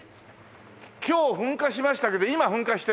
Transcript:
今日噴火しましたけど今噴火してない？